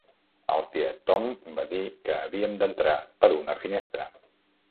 El tiet Tom va dir que havíem d"entrar per una finestra.